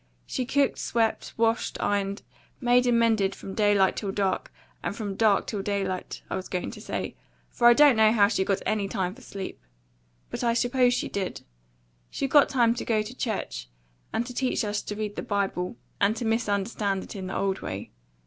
She cooked, swept, washed, ironed, made and mended from daylight till dark and from dark till daylight, I was going to say; for I don't know how she got any time for sleep. But I suppose she did. She got time to go to church, and to teach us to read the Bible, and to misunderstand it in the old way.